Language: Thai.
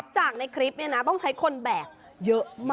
จากในคลิปนี้นะต้องใช้คนแบกเยอะมาก